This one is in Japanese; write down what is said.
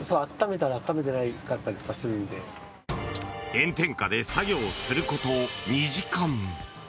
炎天下で作業をすること２時間。